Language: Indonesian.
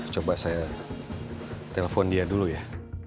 coba saya telepon dia dulu ya